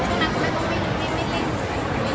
ช่องความหล่อของพี่ต้องการอันนี้นะครับ